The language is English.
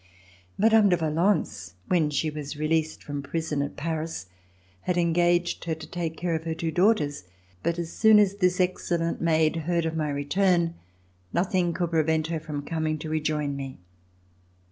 Mme. de Valence, when she was released from prison at Paris, had engaged her to take care of her two daughters, but as soon as this excellent maid heard of my return, nothing could prevent her from coming to rejoin me.